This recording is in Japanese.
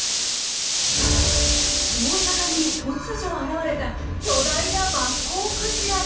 大阪に突如現れた巨大なマッコウクジラに。